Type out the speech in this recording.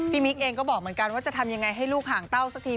มิ๊กเองก็บอกเหมือนกันว่าจะทำยังไงให้ลูกห่างเต้าสักที